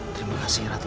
terima kasih ratu